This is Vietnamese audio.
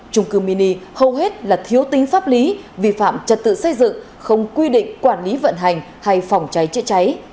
trung cư mini hầu hết là thiếu tính pháp lý vi phạm trật tự xây dựng không quy định quản lý vận hành hay phòng cháy chữa cháy